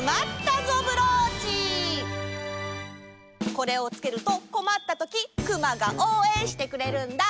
これをつけるとこまったときクマがおうえんしてくれるんだ。